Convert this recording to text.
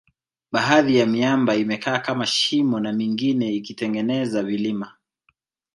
baadhi ya miamba imekaa kama shimo na mingine ikitengeneza vilima